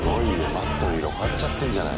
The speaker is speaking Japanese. マットの色変わっちゃってんじゃないのよ。